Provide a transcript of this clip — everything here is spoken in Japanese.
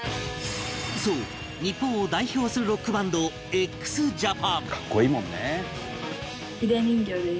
そう日本を代表するロックバンド「格好いいもんね」